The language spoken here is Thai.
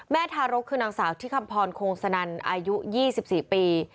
ทารกคือนางสาวที่คำพรโคงสนันอายุ๒๔ปี